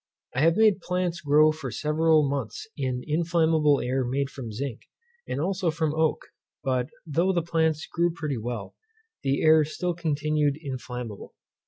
I have made plants grow for several months in inflammable air made from zinc, and also from oak; but, though the plants grew pretty well, the air still continued inflammable.